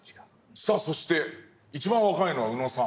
さあそして一番若いのは宇野さん。